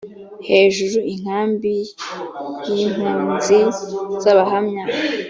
hejuru inkambi y impunzi z abahamya